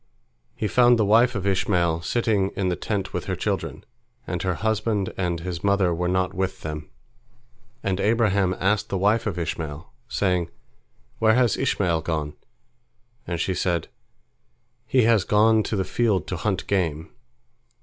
He found the wife of Ishmael sitting in the tent with her children, and her husband and his mother were not with them. And Abraham asked the wife of Ishmael, saying, "Where has Ishmael gone?" And she said, "He has gone to the field to hunt game."